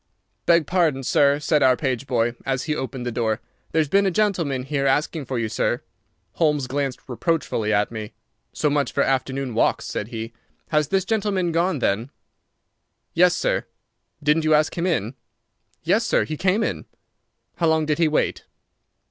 "Beg pardon, sir," said our page boy, as he opened the door. "There's been a gentleman here asking for you, sir." Holmes glanced reproachfully at me. "So much for afternoon walks!" said he. "Has this gentleman gone, then?" "Yes, sir." "Didn't you ask him in?" "Yes, sir; he came in." "How long did he wait?"